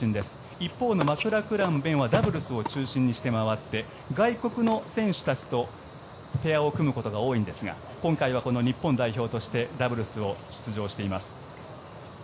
一方のマクラクラン勉はダブルスを中心にして回って外国の選手たちとペアを組むことが多いんですが今回は日本代表としてダブルスに出場しています。